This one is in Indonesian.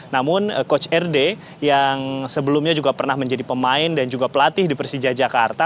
namun coach rd yang sebelumnya juga pernah menjadi pemain dan juga pelatih di persija jakarta